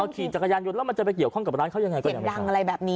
เอาขี่จากกระยานยนต์แล้วมันจะไปเกี่ยวข้องกับร้านเขายังไงก็ได้ไหมครับเห็นดังอะไรแบบนี้